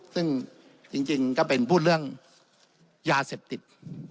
ซึ่งจริงก็เป็นพูดเรื่องยาเสพติด